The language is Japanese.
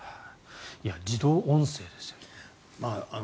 自動音声ですよ。